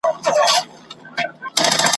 په هوا کي پاچهي وه د بازانو ,